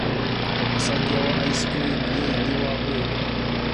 Omusajja wa ice cream ye yali wa bweru.